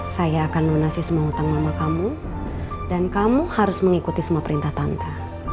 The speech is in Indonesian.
saya akan lunasi semua utang mama kamu dan kamu harus mengikuti semua perintah tante